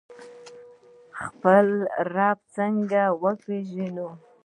خپل رب څنګه وپیژنو؟